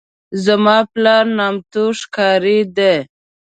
زما پلار نامتو ښکاري دی.